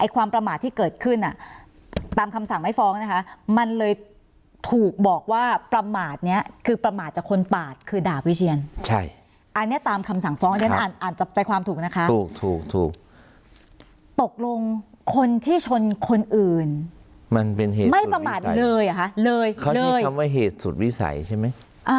คุณจอมขวัญต้องเข้าใจอย่างนี้